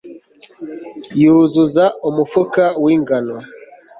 yuzuza umufuka w'ingano